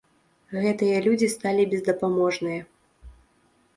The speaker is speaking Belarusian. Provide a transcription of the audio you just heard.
Гэтыя людзі сталі бездапаможныя.